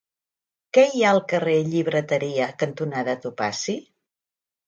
Què hi ha al carrer Llibreteria cantonada Topazi?